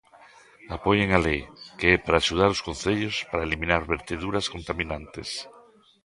Apoien a lei, que é para axudar os concellos para eliminar verteduras contaminantes.